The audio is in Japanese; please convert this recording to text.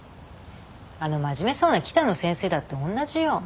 あの真面目そうな北野先生だっておんなじよ。